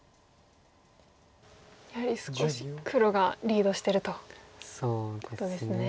やはり少し黒がリードしてるということですね。